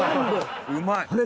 うまい。